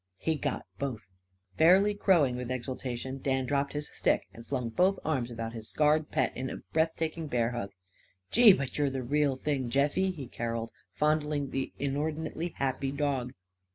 He got both. Fairly crowing with exultation Dan dropped his stick and flung both arms about his scarred pet in a breath taking bear hug. "Gee, but you're the real thing, Jeffie!" he carolled, fondling the inordinately happy dog.